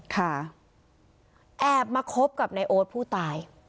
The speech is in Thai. ค่ะแอบมาคบกับนายโอ๊ตผู้ตาย